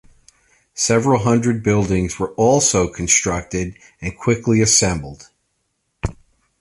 Several hundred buildings were also constructed and quickly assembled.